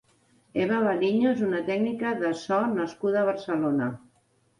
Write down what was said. Eva Valiño és una tècnica de so nascuda a Barcelona.